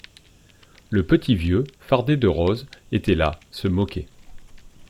Le petit vieux, fardé de rose, était là, se moquait.